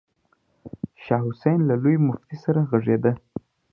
شاه حسين له لوی مفتي سره غږېده.